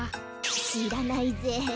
しらないぜ。